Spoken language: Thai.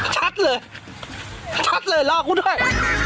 ชัดเลยชัดเลยรอกูด้วย